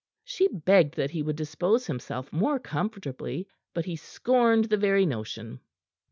She begged that he would dispose himself more comfortably; but he scorned the very notion.